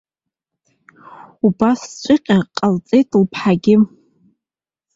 Убасҵәҟьа ҟалҵеит лыԥҳагьы.